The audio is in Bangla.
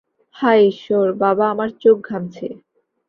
হায় ঈশ্বর, বাবা - আমার চোখ ঘামছে।